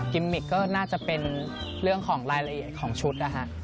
มิกก็น่าจะเป็นเรื่องของรายละเอียดของชุดนะฮะ